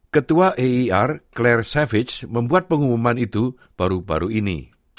ketua eir claire savage membuat pengumuman itu baru baru ini